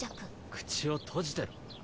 口を閉じてろ。